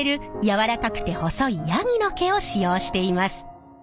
柔らかくて細いヤギの毛を使用しています。